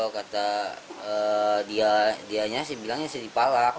kata dia dianya saya bilangnya saya dipalak